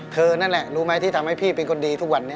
นั่นแหละรู้ไหมที่ทำให้พี่เป็นคนดีทุกวันนี้